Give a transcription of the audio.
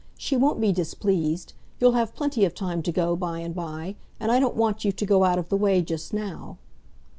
She won't be displeased; you'll have plenty of time to go by and by; and I don't want you to go out of the way just now."